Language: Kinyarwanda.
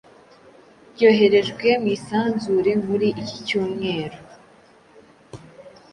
byoherejwe mu isanzure muri iki cyumweru